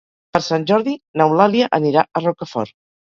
Per Sant Jordi n'Eulàlia anirà a Rocafort.